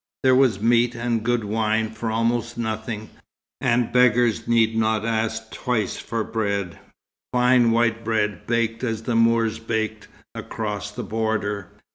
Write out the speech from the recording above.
There was meat and good wine for almost nothing, and beggars need not ask twice for bread fine, white bread, baked as the Moors baked, across the border.